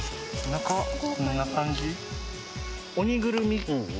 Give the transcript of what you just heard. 中こんな感じ。